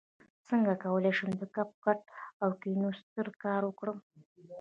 څنګه کولی شم د کپ کټ او کینوسټر کار وکړم